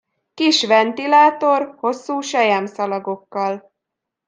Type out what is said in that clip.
Kis ventilátor, hosszú selyemszalagokkal.